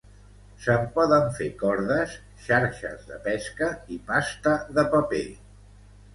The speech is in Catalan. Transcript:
Se'n poden fer cordes, xarxes de pesca i pasta de paper.